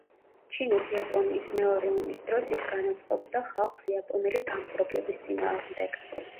ჩინეთ-იაპონიის მეორე ომის დროს ის განაწყობდა ხალხს იაპონელი დამპყრობლების წინააღმდეგ.